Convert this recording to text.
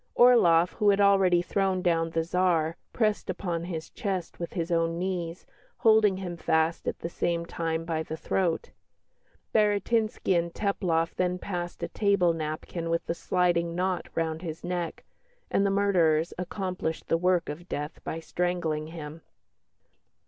Orloff, who had already thrown down the Tsar, pressed upon his chest with his own knees, holding him fast at the same time by the throat. Baratinski and Teplof then passed a table napkin with a sliding knot round his neck, and the murderers accomplished the work of death by strangling him."